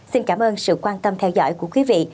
xin cảm ơn sự quan tâm theo dõi của quý vị